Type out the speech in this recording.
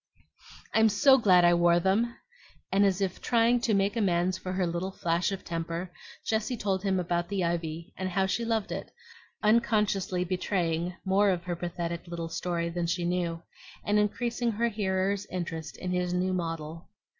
"I'm SO glad I wore them!" and as if trying to make amends for her little flash of temper, Jessie told him about the ivy, and how she loved it, unconsciously betraying more of her pathetic little story than she knew, and increasing her hearer's interest in his new model.